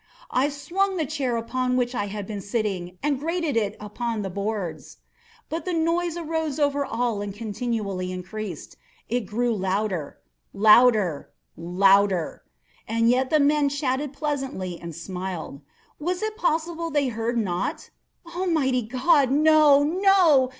I swung the chair upon which I had been sitting, and grated it upon the boards, but the noise arose over all and continually increased. It grew louder—louder—louder! And still the men chatted pleasantly, and smiled. Was it possible they heard not? Almighty God!—no, no!